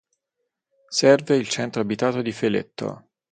Serve il centro abitato di Feletto.